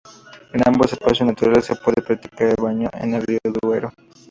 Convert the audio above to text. En ambos espacios naturales se puede practicar el baño en el Río Duero.